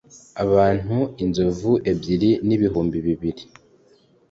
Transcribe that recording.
abantu inzovu ebyiri n ibihumbi bibiri